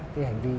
cái hành vi